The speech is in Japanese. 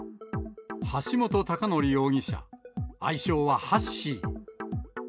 橋本崇載容疑者、愛称はハッシー。